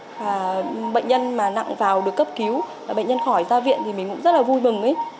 và bệnh nhân mà nặng vào được cấp cứu bệnh nhân khỏi ra viện thì mình cũng rất là vui mừng